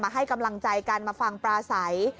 ให้กำลังใจกันมาฟังปลาใส